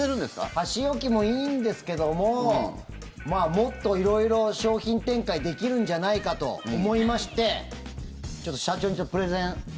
箸置きもいいんですけどももっと色々、商品展開できるんじゃないかと思いましてちょっと社長にプレゼン。